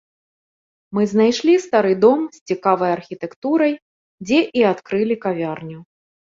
Мы знайшлі стары дом з цікавай архітэктурай, дзе і адкрылі кавярню.